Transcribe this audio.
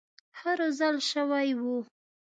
ښه روزل شوي وو.